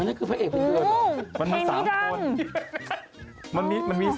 อ๋อนั่นคือภัยเอกเป็นเดิมมันมี๓คน